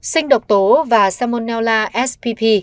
sinh độc tố và salmonella spp